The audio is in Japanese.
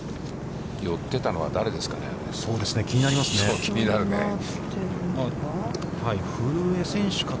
寄ってたのは誰ですか。